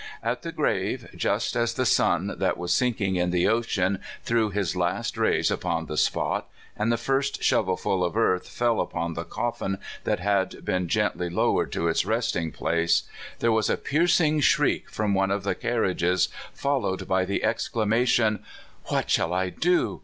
At the grave, just as the sun that was sinking in the ocean threw his last rays upon the spot, and the first shovelful of earth fell upon the coffin that had been gently lowered to its resting place, there was a piercing shriek from one of the carriages, followed by the exclamation: "What shall I do?